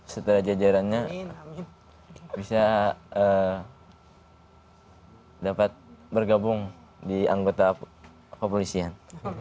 setelah jajarannya bisa dapat bergabung di anggota kepolisian